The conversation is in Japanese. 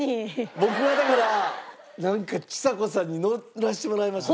僕はだからなんかちさ子さんに乗らせてもらいました。